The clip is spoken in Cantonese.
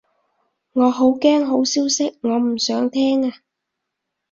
我好驚好消息，我唔想聽啊